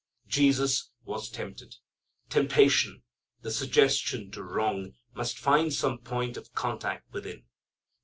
Jesus was tempted. Temptation, the suggestion to wrong, must find some point of contact within.